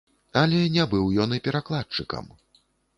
Але не быў ён і перакладчыкам!